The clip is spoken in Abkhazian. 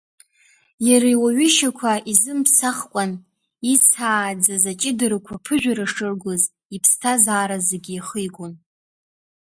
Иара иуаҩышьақәа изымыԥсахкәан, ицааӡаз аҷыдарақәа ԥыжәара шыргоз, иԥсҭазаара зегь ихигон.